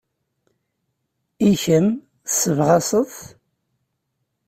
I kemm, tessebɣaseḍ-t?